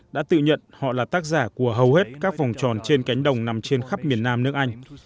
đã tự nhận họ là tác giả của hầu hết các vòng tròn trên cánh đồng nằm trên khắp miền nam nước anh